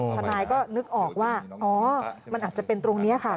ทนายก็นึกออกว่าอ๋อมันอาจจะเป็นตรงนี้ค่ะ